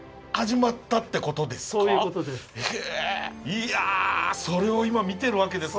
いやそれを今見てるわけですね。